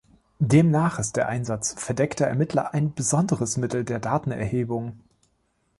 Demnach ist der Einsatz Verdeckter Ermittler ein "Besonderes Mittel der Datenerhebung".